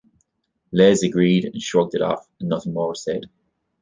Les agreed and shrugged it off, and nothing more was said.